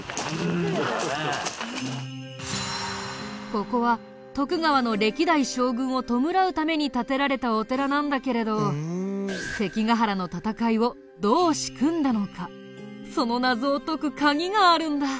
ここは徳川の歴代将軍を弔うために建てられたお寺なんだけれど関ヶ原の戦いをどう仕組んだのかその謎を解く鍵があるんだ。